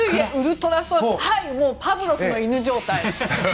もうパブロフの犬状態。